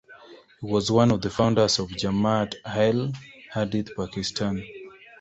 He was one of the founders of Jamaat Ahle hadith Pakistan.